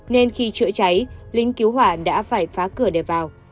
nên khi chữa cháy lính cứu hỏa đã phải phá cửa để vào